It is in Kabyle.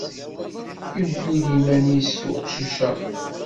Yewwi-d iman-is uqcic-a.